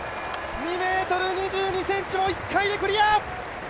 ２ｍ２２ｃｍも１回でクリア！